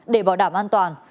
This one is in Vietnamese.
để bảo đảm an toàn